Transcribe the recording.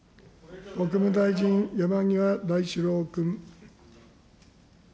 国務大臣、山際大志郎君。